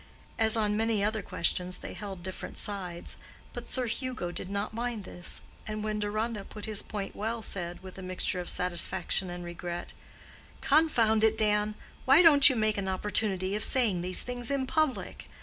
As on many other questions, they held different sides, but Sir Hugo did not mind this, and when Deronda put his point well, said, with a mixture of satisfaction and regret, "Confound it, Dan! why don't you make an opportunity of saying these things in public?